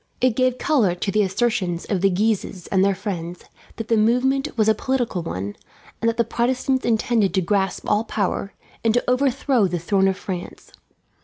It gave colour to the assertions of the Guises and their friends that the movement was a political one, and that the Protestants intended to grasp all power, and to overthrow the throne of France.